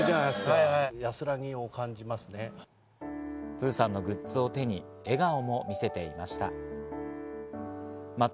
プーさんのグッズを手に笑顔も見せていました。